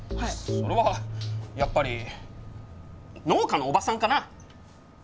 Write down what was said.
それはやっぱり農家のおばさんかな？